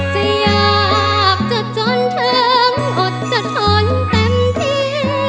จะอยากจะจนถึงอดจะทนเต็มที่